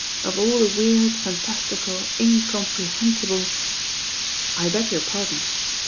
Of all the weird, fantaitical, incompreheniible— "I beg your pardon.